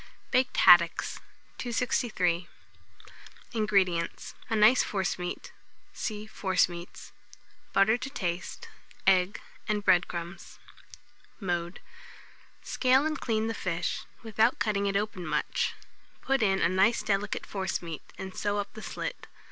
BAKED HADDOCKS. 263. INGREDIENTS. A nice forcemeat (see Forcemeats), butter to taste, egg and bread crumbs. Mode. Scale and clean the fish, without cutting it open much; put in a nice delicate forcemeat, and sew up the slit.